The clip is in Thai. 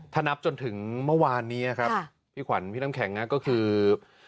ถ้านับจนถึงเมื่อวานนี้ครับพี่ขวัญพี่น้ำแข็งก็คือ